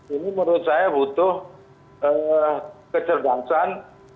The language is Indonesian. ini menurut saya butuh kecerdasan